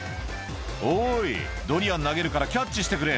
「おいドリアン投げるからキャッチしてくれ」